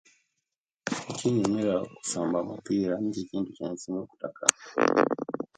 Ekinyumira kusamba mupira nikyo ekintu ekyensinga okutaka